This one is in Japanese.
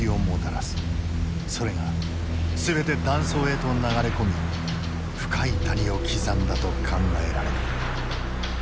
それが全て断層へと流れ込み深い谷を刻んだと考えられる。